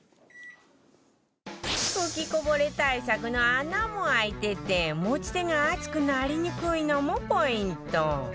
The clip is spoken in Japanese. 吹きこぼれ対策の穴も開いてて持ち手が熱くなりにくいのもポイント